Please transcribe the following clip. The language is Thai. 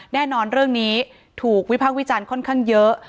แน่นอนเรื่องนี้ถูกวิพากษ์วิจารณ์ค่อนข้างเยอะ